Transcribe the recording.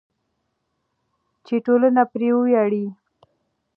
چې ټولنه پرې وویاړي.